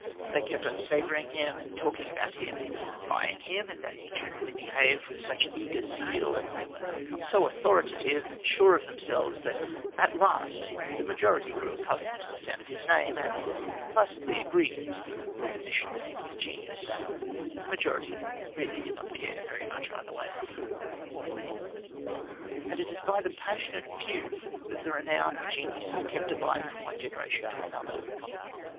They kept on savouring him, and talking about him, and buying him, and they generally behaved with such eager zeal, and they were so authoritative and sure of themselves, that at last the majority grew accustomed to the sound of his name and placidly agreed to the proposition that he was a genius; the majority really did not care very much either way. And it is by the passionate few that the renown of genius is kept alive from one generation to another.